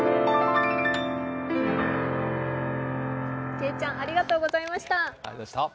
けいちゃんありがとうございました。